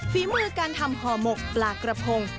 ฝีมือการทำห่อหมกปลากระพง